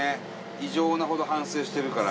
異常なほど反省してるから。